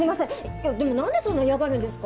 いやでも何でそんな嫌がるんですか？